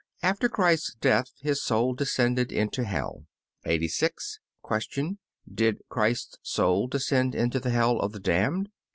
After Christ's death His soul descended into hell. 86. Q. Did Christ's soul descend into the hell of the damned?